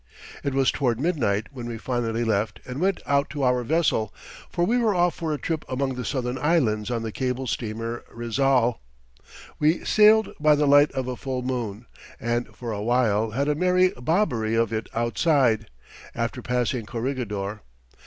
It was toward midnight when we finally left and went out to our vessel, for we were off for a trip among the southern islands on the cable steamer Rizal. We sailed by the light of a full moon, and for a while had a merry bobbery of it outside, after passing Corregidor.